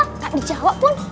gak dijawab pun